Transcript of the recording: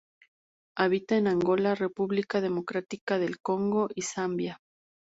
Habita en Angola, República Democrática del Congo y Zambia.